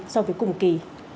so với cùng kỳ